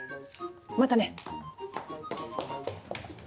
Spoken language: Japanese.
またね！